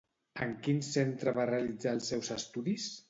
En quin centre va realitzar els seus estudis?